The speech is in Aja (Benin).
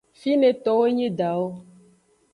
Fine towo nyi edawo.